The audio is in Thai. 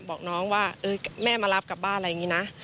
บอกน้องว่าแม่มารับกลับบ้านอะไรอย่างนี้นะ